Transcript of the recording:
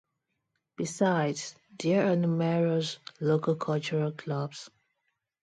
Besides, there are numerous local cultural clubs.